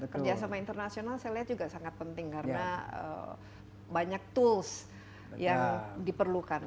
kerjasama internasional saya lihat juga sangat penting karena banyak tools yang diperlukan